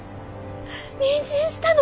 妊娠したの！